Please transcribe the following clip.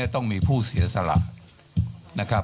ต้องมีผู้เสียสละนะครับ